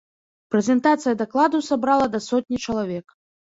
Прэзентацыя дакладу сабрала да сотні чалавек.